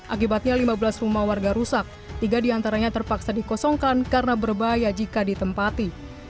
akibatnya lima belas rumah warga rusak tiga diantaranya terpaksa dikosongkan karena berbahaya jika ditempati